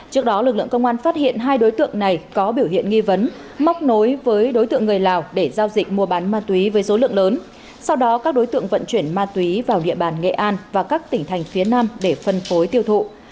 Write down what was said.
trước đó lực lượng công an phát hiện hai đối tượng này có biểu hiện nghi vấn móc nối với đối tượng người lào để giao dịch mua bán ma túy với số lượng lớn sau đó các đối tượng vận chuyển ma túy vào địa bàn nghệ an và các tỉnh thành phía nam để phân phối tiêu thụ